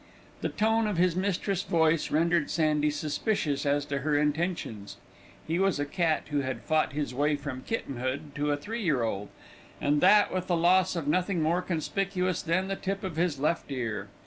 The tone of his mistress' voice rendered Sandy suspicious as to her intentions. He was a cat who had fought his way from kittenhood to a three year old, and that with the loss of nothing more conspicuous than the tip of his left ear.